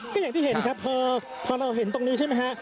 ก็อย่างที่เห็นครับพอเราเห็นตรงนี้ใช่ไหมฮะ